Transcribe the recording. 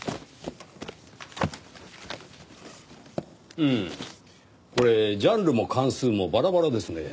うーんこれジャンルも巻数もバラバラですねぇ。